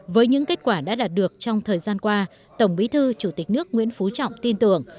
với những kết quả đã đạt được trong thời gian qua tổng bí thư chủ tịch nước nguyễn phú trọng tin tưởng